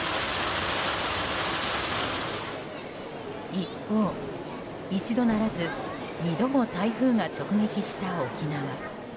一方、１度ならず２度も台風が直撃した沖縄。